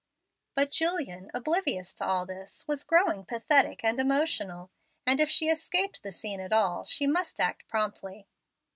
But Julian, oblivious of all this, was growing pathetic and emotional; and if she escaped the scene at all, she must act promptly.